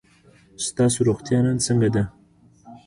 ستاسو روغتیا نن څنګه ده؟